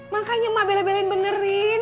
makanya mak beleh belehin benerin